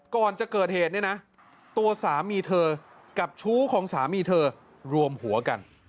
ก่อนจะเกิดเหตุเนี่ยนะตัวสามีเธอกับชู้ของสามีเธอรวมหัวกัน